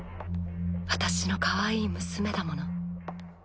私のかわいい娘だもの。